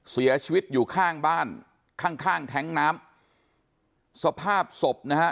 เสียชีวิตอยู่ข้างบ้านข้างข้างแท้งน้ำสภาพศพนะฮะ